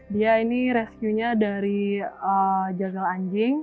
dia ini rescuenya dari jagal anjing